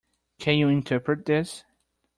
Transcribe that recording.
Can you interpret this?